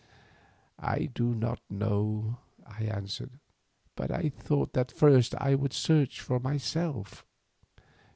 "I do not know," I answered, "but I thought that first I would search for myself."